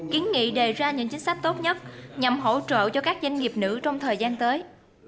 kiến nghị đề ra những chính sách tốt nhất nhằm hỗ trợ cho các doanh nghiệp nữ trong thời gian tới